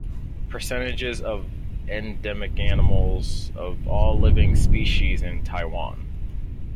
Percentages of endemic animals of all living species in Taiwan.